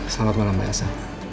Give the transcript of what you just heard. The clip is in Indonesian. selamat malam mbak elsa